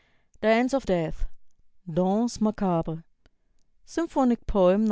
"DANCE OF DEATH" ["DANSE MACABRE"], SYMPHONIC POEM No.